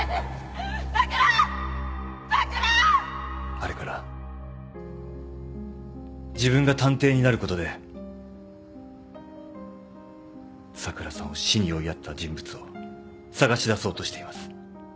あれから自分が探偵になることで咲良さんを死に追いやった人物を捜し出そうとしています。